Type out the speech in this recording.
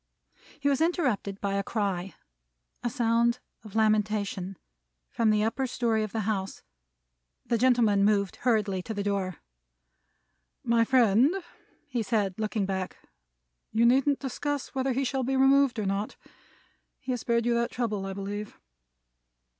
He was interrupted by a cry a sound of lamentation from the upper story of the house. The gentleman moved hurriedly to the door. "My friend," he said, looking back, "you needn't discuss whether he shall be removed or not. He has spared you that trouble, I believe."